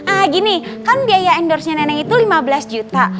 ah gini kan biaya endorse nya nenek itu lima belas juta